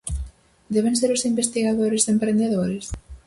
Deben ser os investigadores emprendedores?